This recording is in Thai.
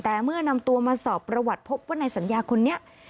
แต่เมื่อนำตัวมาสอบประวัติพบว่าในสัญญาคนนี้